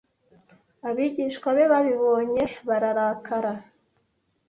Abigishwa be babibonye bararakara